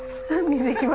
はい。